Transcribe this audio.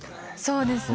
そうですね。